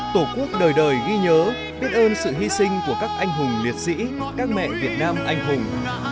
tổ quốc đời đời ghi nhớ biết ơn sự hy sinh của các anh hùng liệt sĩ các mẹ việt nam anh hùng